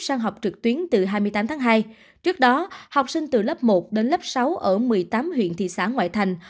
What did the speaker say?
sang học trực tuyến từ hai mươi tám tháng hai trước đó học sinh từ lớp một đến lớp sáu ở một mươi tám huyện thị xã ngoại thành